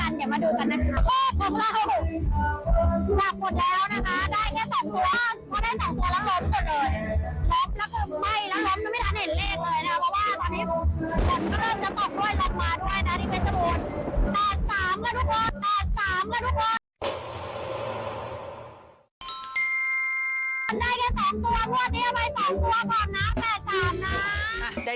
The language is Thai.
ได้แค่๒ตัวงวดนี้เอาไว้๒ตัวก่อนนะ๘๓นะ